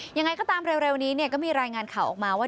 ยังไงก็ตามเร็วนี้ก็มีรายงานข่าวออกมาว่า